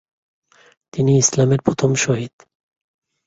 তিনিই ইসলামের প্রথম শহীদ।